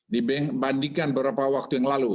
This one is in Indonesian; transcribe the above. dibandingkan beberapa waktu yang lalu